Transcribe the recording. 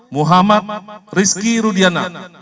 muhammad rizky rudiana